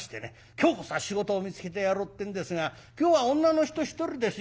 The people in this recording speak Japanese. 今日こそは仕事を見つけてやろうってんですが「今日は女の人１人ですよ。